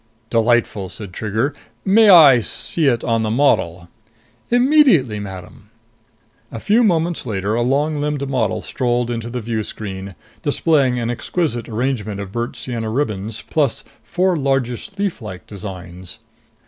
"Delightful," said Trigger. "May I see it on the model?" "Immediately, madam." A few moments later, a long limbed model strolled into the view screen, displaying an exquisite arrangement of burnt sienna ribbons plus four largish leaf like designs.